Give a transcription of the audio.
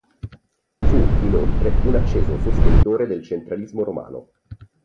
Fu, inoltre, un acceso sostenitore del centralismo romano.